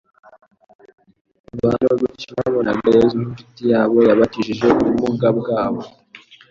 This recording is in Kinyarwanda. Abantu benshi babonaga Yesu nk’inshuti yabo yabakijije ubumuga bwabo,